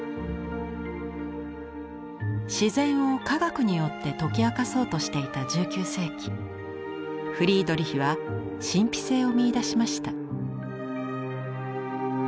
自然を科学によって解き明かそうとしていた１９世紀フリードリヒは神秘性を見いだしました。